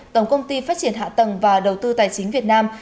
tổng công ty phát triển hạ tầng và đầu tư tài chính việt nam